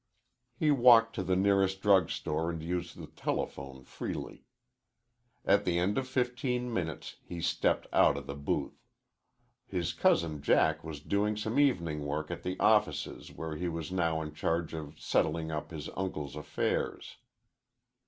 He walked to the nearest drug store and used the telephone freely. At the end of fifteen minutes he stepped out of the booth. His cousin Jack was doing some evening work at the offices where he was now in charge of settling up his uncle's affairs.